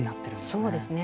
そうですね。